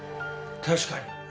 確かに。